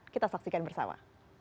kita saksikan bersama